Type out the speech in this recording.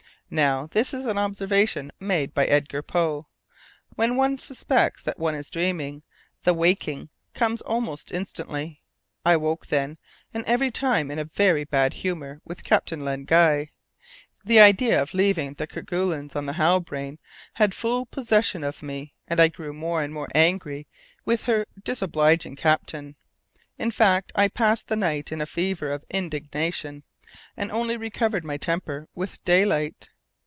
Now this is an observation made by Edgar Poe when one suspects that one is dreaming, the waking comes almost instantly. I woke then, and every time in a very bad humour with Captain Len Guy. The idea of leaving the Kerguelens on the Halbrane had full possession of me, and I grew more and more angry with her disobliging captain. In fact, I passed the night in a fever of indignation, and only recovered my temper with daylight.